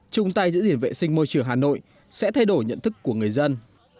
chung tay giữ gìn vệ sinh môi trường hà nội sẽ thay đổi nhận thức của người dân